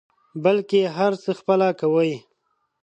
بلکې هر څه خپله کوي.